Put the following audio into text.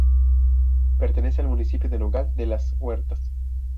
Pertenece al municipio de Nogal de las Huertas.